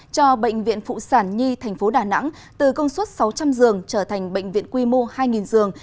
cho bệnh viện phụ sản nhi tp đà nẵng từ công suất sáu trăm linh giường trở thành bệnh viện quy mô hai giường